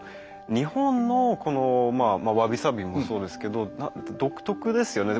日本のこのまあ侘寂もそうですけど独特ですよね